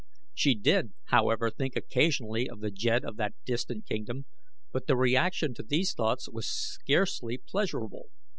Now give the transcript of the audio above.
She did, however, think occasionally of the jed of that distant kingdom, but the reaction to these thoughts was scarcely pleasurable.